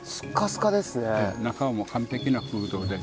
中はもう完璧な空洞で。